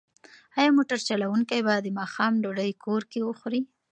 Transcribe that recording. ایا موټر چلونکی به د ماښام ډوډۍ کور کې وخوري؟